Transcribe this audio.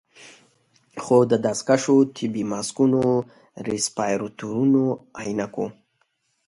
خو د دستکشو، طبي ماسکونو، رسپايرتورونو، عينکو